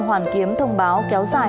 hoàn kiếm thông báo kéo dài